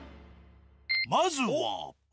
まずは。